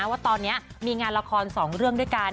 ว่าตอนนี้มีงานละคร๒เรื่องด้วยกัน